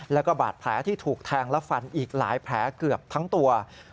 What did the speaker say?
แล้วก็บาดแผลที่ถูกแทงและฟันอีกหลายแผลเกือบทั้งตัว